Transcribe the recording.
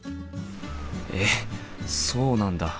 えっそうなんだ。